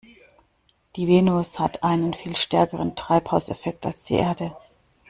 Die Venus hat einen viel stärkeren Treibhauseffekt als die Erde.